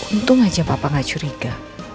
untung aja papa gak curiga